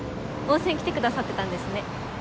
温泉来てくださってたんですね。